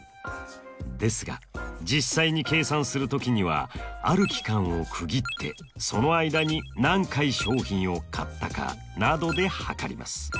ですが実際に計算する時にはある期間を区切ってその間に何回商品を買ったかなどで測ります。